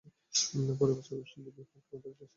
পরের বছর ওয়েস্ট ইন্ডিজের বিপক্ষে একটিমাত্র টেস্ট খেলেন।